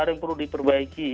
ada yang perlu diperbaiki